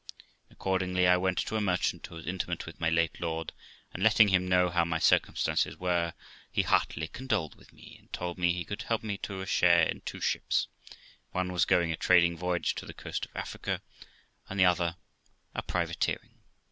Accordingly I went to a merchant who was intimate with my late lord, and letting him know how my circumstances were, he heartily condoled with me, and told me he could help me to a share in two ships one was going a trading voyage to the coast of Africa, and the other a privateering.